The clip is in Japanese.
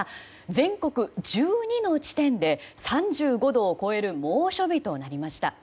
全国１２の地点で３５度を超える猛暑日となりました。